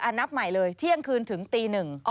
นับใหม่เลยเที่ยงคืนถึงตีหนึ่ง